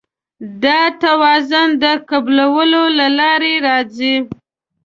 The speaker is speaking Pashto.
دا توازن د قبلولو له لارې راځي.